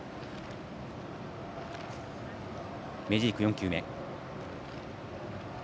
メジーク、４球目。